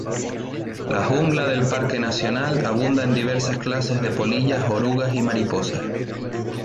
La jungla del parque nacional abunda en diversas clases de polillas, orugas y mariposas.